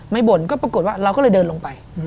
บ่นก็ปรากฏว่าเราก็เลยเดินลงไป